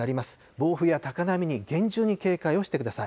暴風や高波に厳重に警戒をしてください。